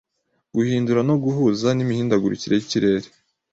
Guhindura no guhuza nimihindagurikire yikirere